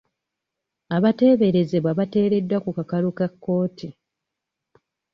Abateeberezebwa bateereddwa ku kakalu ka kkooti.